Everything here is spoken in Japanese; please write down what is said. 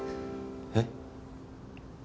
えっ？